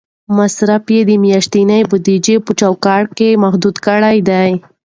مصرف مې د میاشتنۍ بودیجې په چوکاټ کې محدود کړی دی.